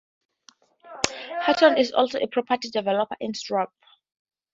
Hatton is also a property developer in Cyprus.